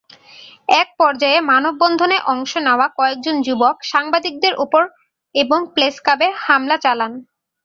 একপর্যায়ে মানববন্ধনে অংশ নেওয়া কয়েকজন যুবক সাংবাদিকদের ওপর এবং প্রেসক্লাবে হামলা চালান।